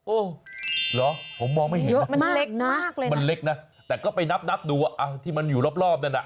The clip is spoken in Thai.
โอ้หรอผมมองไม่เห็นมากมันเล็กนะแต่ก็ไปนับดูที่มันอยู่รอบเนี่ยนะ